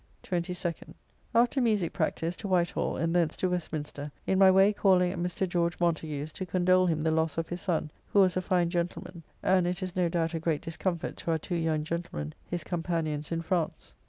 22d. After musique practice, to White Hall, and thence to Westminster, in my way calling at Mr. George Montagu's, to condole him the loss of his son, who was a fine gentleman, and it is no doubt a great discomfort to our two young gentlemen, his companions in France.